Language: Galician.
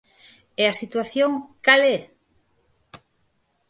E a situación ¿cal é?